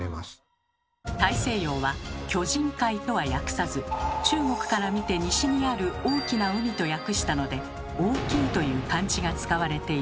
大西洋は「巨人海」とは訳さず中国から見て「西」にある「大きな海」と訳したので「大」という漢字が使われています。